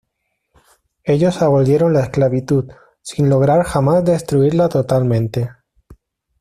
Ellos abolieron la esclavitud, sin lograr jamás destruirla totalmente.